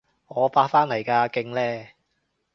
我八返嚟㗎，勁呢？